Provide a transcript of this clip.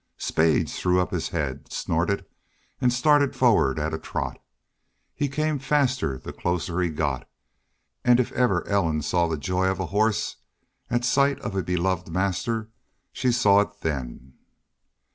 Spades threw up his head, snorted, and started forward at a trot. He came faster the closer he got, and if ever Ellen saw the joy of a horse at sight of a beloved master she saw it then.